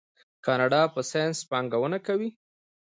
کاناډا په ساینس پانګونه کوي.